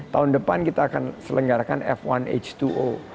tahun depan kita akan selenggarakan f satu h dua